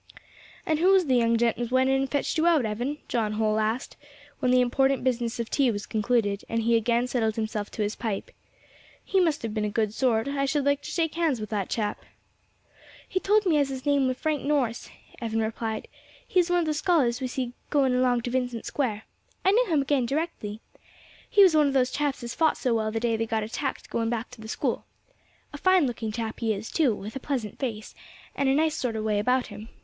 "And who was the young gent as went in and fetched you out, Evan?" John Holl asked, when the important business of tea was concluded, and he again settled himself to his pipe. "He must have been a good sort; I should like to shake hands with that chap." "He told me as his name were Frank Norris," Evan replied; "he is one of the scholars we see going along to Vincent Square; I knew him again directly. He was one of those chaps as fought so well the day they got attacked going back to the School. A fine looking chap he is too, with a pleasant face, and a nice sort of way about him.